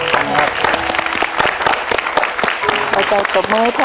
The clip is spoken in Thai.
ขอบคุณครับ